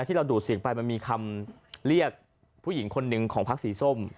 นักที่เราดูดเสียงไปมันมีคำเรียกผู้หญิงคนนึงของพรรคสีส้ม